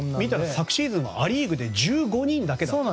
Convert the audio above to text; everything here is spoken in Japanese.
昨シーズンもア・リーグで１５人だけでした。